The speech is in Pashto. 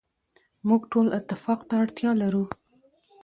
موږ ټول اتفاق ته اړتیا لرو.